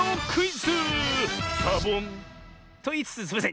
サボン！といいつつすいません。